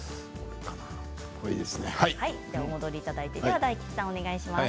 お戻りいただいてでは大吉さん、お願いします。